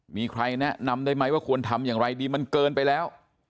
มีใครแนะนำได้ไหมว่าควรทำอย่างไรดีมันเกินไปแล้ว